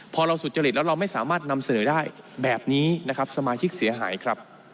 พอเราสุจริตแล้วเราไม่สามารถนำเสนอได้แบบนี้นะครับสมาชิกเสียหายครับ